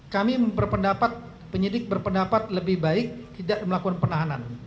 kami berpendapat penyidik berpendapat lebih baik tidak melakukan penahanan